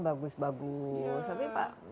bagus bagus tapi pak